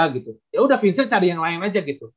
gitu yaudah vincent cari yang lain aja gitu